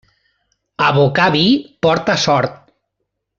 Abocar vi porta sort.